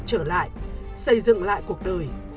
trở lại xây dựng lại cuộc đời